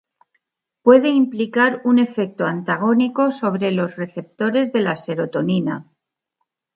Puede implicar un efecto antagónico sobre los receptores de la serotonina.